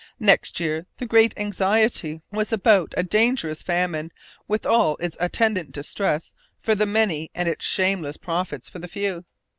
Next year the great anxiety was about a dangerous famine, with all its attendant distress for the many and its shameless profits for the few.